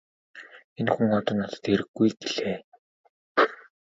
Энэ хүн одоо надад хэрэггүй -гэлээ.